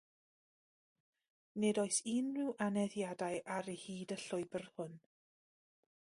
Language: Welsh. Nid oes unrhyw aneddiadau ar hyd y llwybr hwn.